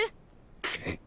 くっ。